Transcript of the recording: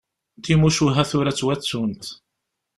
Timucuha tura ttwattunt.